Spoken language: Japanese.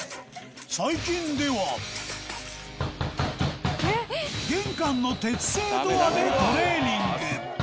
最近では玄関の鉄製ドアでトレーニング